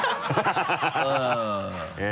ハハハ